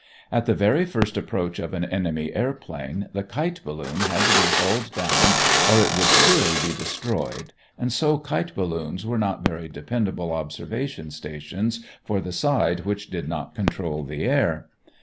At the very first approach of an enemy airplane, the kite balloon had to be hauled down or it would surely be destroyed, and so kite balloons were not very dependable observation stations for the side which did not control the air.